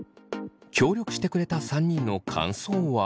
協力してくれた３人の感想は。